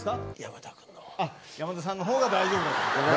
山田さんのほうが大丈夫だと。